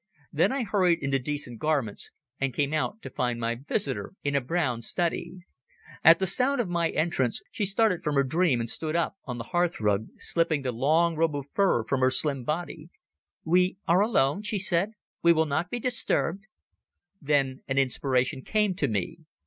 Then I hurried into decent garments, and came out to find my visitor in a brown study. At the sound of my entrance she started from her dream and stood up on the hearthrug, slipping the long robe of fur from her slim body. "We are alone?" she said. "We will not be disturbed?" Then an inspiration came to me.